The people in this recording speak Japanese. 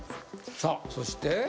さあそして。